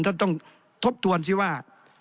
ท่านต้องทบทวนสิว่า